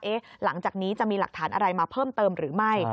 หลังจากนี้จะมีหลักฐานอะไรมาเพิ่มเติมหรือไม่